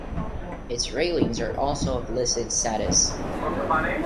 Its railings are also of listed status.